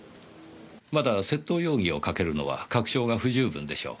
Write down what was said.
まだ窃盗容疑をかけるのは確証が不十分でしょう。